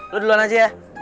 lo duluan aja ya